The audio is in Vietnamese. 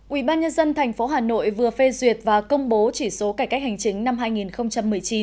ủy ban nhân dân tp hà nội vừa phê duyệt và công bố chỉ số cải cách hành chính năm hai nghìn một mươi chín